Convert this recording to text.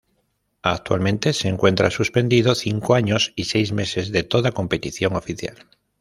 Actualmente se encuentra suspendido cinco años y seis meses de toda competición oficial.